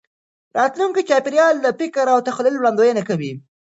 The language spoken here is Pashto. راتلونکي چاپېریال د فکر او تخیل وړاندوینه کوي.